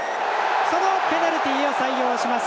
そのペナルティを採用します。